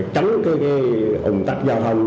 chấm cái ủng tắc giao thông